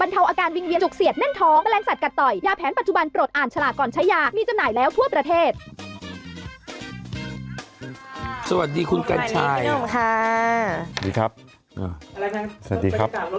อะไรนะเป็นต่างรถติดนะครับพี่